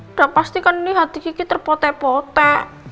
udah pasti kan ini hati kiki terpote pote